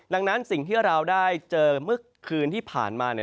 ดังนั้นสิ่งที่เราได้เจอเมื่อคืนที่ผ่านมา